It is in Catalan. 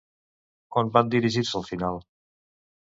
On van dirigir-se al final?